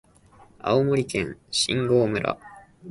青森県新郷村